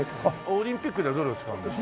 オリンピックではどれを使うんですか？